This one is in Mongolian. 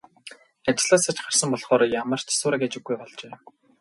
Ажлаасаа ч гарсан болохоор ямар ч сураг ажиггүй болжээ.